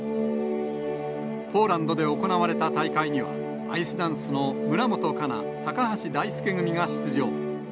ポーランドで行われた大会には、アイスダンスの村元哉中・高橋大輔組が出場。